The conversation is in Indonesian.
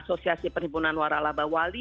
asosiasi penyimpunan waralaba wali